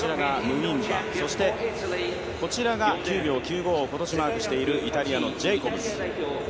こちらが９秒９５をマークしているイタリアのジェイコブズ。